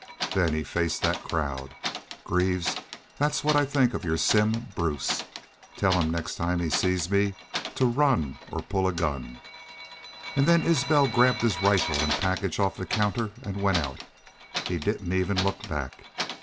Then he faced thet crowd. 'Greaves, thet's what I think of your Simm Bruce. Tell him next time he sees me to run or pull a gun.' An' then Isbel grabbed his rifle an' package off the counter an' went out. He didn't even look back.